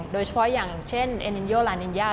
โดยเฉพาะอย่างเช่นเอนินโยลานินยา